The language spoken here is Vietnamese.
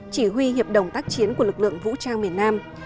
chỉ huy hiệp đồng tác chiến của lực lượng vũ trang miền nam